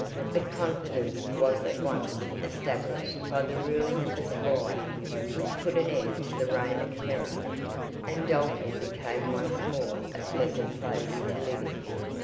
But confidence was at once established by the ruling of the squire, which put an end to the reign of terror, and Dalton became once more a pleasant place to live in.